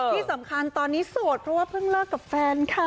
ที่สำคัญตอนนี้โสดเพราะว่าเพิ่งเลิกกับแฟนค่ะ